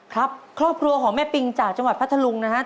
ครอบครัวของแม่ปิงจากจังหวัดพัทธลุงนะครับ